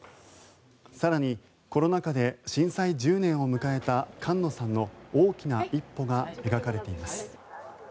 更にコロナ禍で震災１０年を迎えた菅野さんの大きな一歩が描かれています。